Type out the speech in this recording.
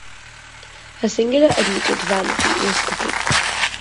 Her singular admitted vanity was cooking.